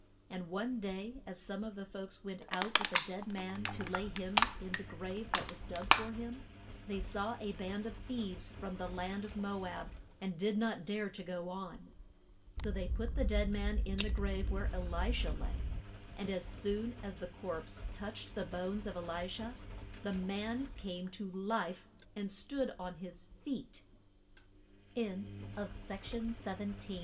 And one day as some of the folks went out with a dead man to lay him in the grave that was dug for him, they saw a band of thieves from the land of Mo ab and did not dare to go on. So they put the dead man in the grave where E li sha lay. And as soon as the corpse touched the bones of E li sha the man came to life and stoo